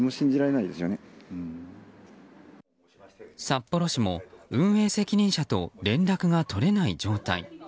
札幌市も運営責任者と連絡が取れない状態。